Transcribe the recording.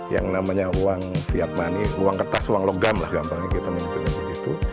yang namanya uang viat money uang kertas uang logam lah gampangnya kita menentukan begitu